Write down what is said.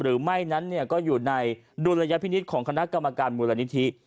หรือไม่นั้นก็อยู่ในดุลยพินิษฐ์ของคณะกรรมการมูลนิธิ